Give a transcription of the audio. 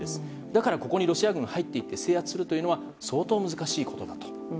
だから、ここにロシア軍が入っていって制圧するというのは相当難しいことだと。